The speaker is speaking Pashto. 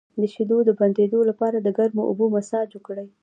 د شیدو د بندیدو لپاره د ګرمو اوبو مساج وکړئ